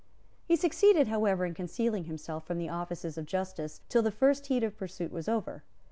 He succeeded, however, in concealing himself from the officers of justice till the first heat of pursuit was over.